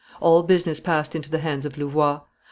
All business passed into the hands of Louvois.